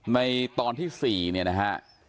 ในตอนที่๔เนี่ยนะฮะ